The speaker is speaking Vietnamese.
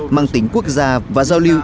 mang tính quốc gia và giao lưu